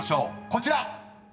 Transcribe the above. こちら！］